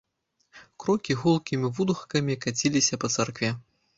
Крокі гулкімі водгукамі каціліся па царкве.